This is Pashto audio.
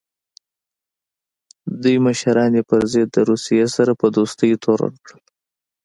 دوی مشران یې پر ضد د روسیې سره په دوستۍ تورن کړل.